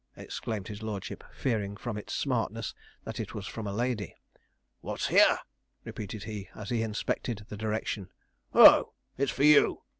exclaimed his lordship, fearing from its smartness, that it was from a lady. 'What's here?' repeated he, as he inspected the direction. 'Oh, it's for you!'